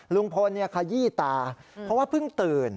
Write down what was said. ลุงพลขยี้ตาเพราะว่าเพิ่งตื่น